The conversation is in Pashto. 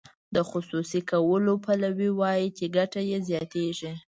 د خصوصي کولو پلوي وایي چې ګټه یې زیاتیږي.